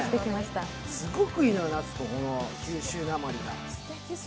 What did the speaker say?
すごくいいのよ、夏子、この九州なまりが。